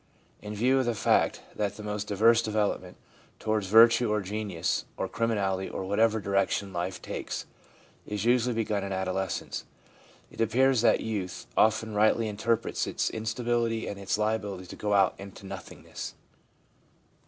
In view of the fact that the most diverse development — towards virtue or genius or criminality, or whatever direction life takes — is usually begun in adolescence, it appears that youth often rightly interprets its instability and its liability to go out into nothingness.